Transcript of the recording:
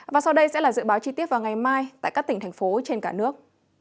và sau đây sẽ là dự báo chi tiết vào ngày mai tại các tỉnh thành phố trên cả nước